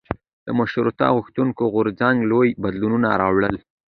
د مشروطه غوښتونکو غورځنګ لوی بدلونونه راوړل.